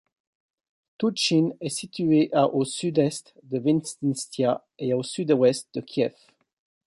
Toultchyn est située à au sud-est de Vinnytsia et à au sud-ouest de Kiev.